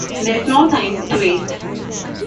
There's no time to waste.